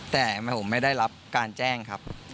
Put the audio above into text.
แต่ผมไม่ได้รับการแจ้งครับ